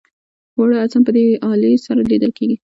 واړه اجسام په دې الې سره لیدل کیږي.